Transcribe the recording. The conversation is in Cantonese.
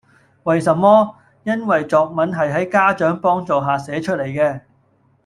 為什麼?因為作文係喺家長幫助下寫出嚟嘅